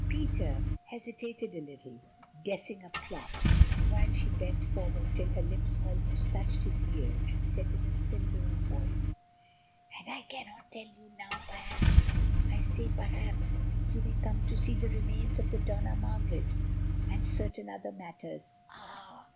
Peter hesitated a little, guessing a plot, while she bent forward till her lips almost touched his ear and said in a still lower voice: "And I cannot tell you how, perhaps—I say perhaps—you may come to see the remains of the Dona Margaret, and certain other matters. Ah!"